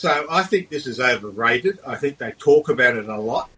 saya pikir mereka berbicara tentangnya banyak